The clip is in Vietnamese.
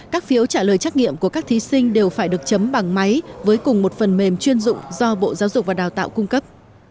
các phiếu trả lời trắc nghiệm của các thí sinh đều phải được chấm bằng máy với cùng một phần mềm chuyên dụng do bộ giáo dục và đào tạo cung cấp